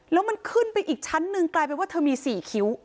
แล้วมันขึ้นไปอีกชั้นหนึ่งกลายเป็นว่าเธอมี๔คิ้ว